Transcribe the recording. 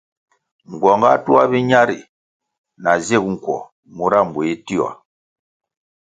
Nguong ga tuah biña ri na zig nkuo mura mbuéh tioa.